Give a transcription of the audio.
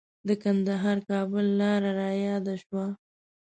د کندهار-کابل لاره رایاده شوه.